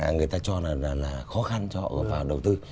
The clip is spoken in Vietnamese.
người ta cho là khó khăn cho họ vào đầu tư